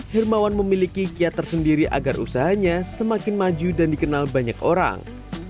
hermawan memiliki kiat tersendiri agar usahanya semakin maju dan dikenal banyak orang